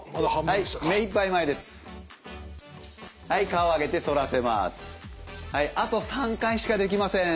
はいあと３回しかできません